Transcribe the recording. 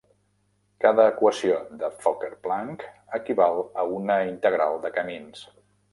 Cada equació de Fokker-Planck equival a una integral de camins.